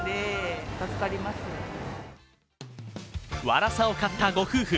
ワラサを買ったご夫婦。